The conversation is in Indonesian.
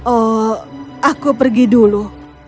oh aku pergi dulu